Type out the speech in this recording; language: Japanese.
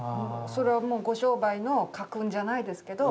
それはもうご商売の家訓じゃないですけど。